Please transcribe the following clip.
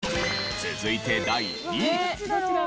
続いて第２位。